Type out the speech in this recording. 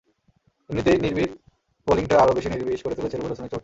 এমনিতেই নির্বিষ বোলিংটা আরও বেশি নির্বিষ করে তুলেছে রুবেল হোসেনের চোট।